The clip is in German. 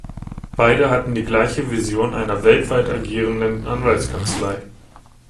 Beide hatten die gleiche Vision einer weltweit agierenden Anwaltskanzlei.